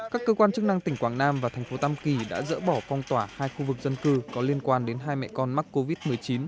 các cơ quan chức năng tỉnh quảng nam và thành phố tam kỳ đã dỡ bỏ phong tỏa hai khu vực dân cư có liên quan đến hai mẹ con mắc covid một mươi chín